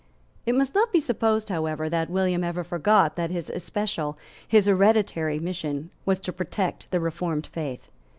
It must not be supposed however that William ever forgot that his especial, his hereditary, mission was to protect the Reformed Faith.